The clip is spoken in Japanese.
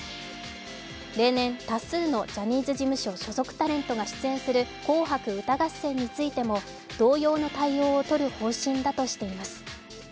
例年、多数のジャニーズ事務所所属タレントが出演する「紅白歌合戦」についても同様の対応を取る方針だとしています。